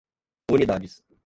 unidades